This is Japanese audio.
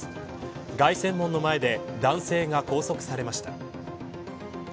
凱旋門の前で男性が拘束されました。